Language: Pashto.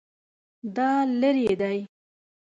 دا لیرې دی؟